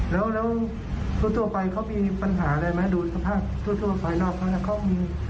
แล้วทั่วไปเขามีปัญหาอะไรไหมดูสภาพทั่วภายนอกเขาเนี่ย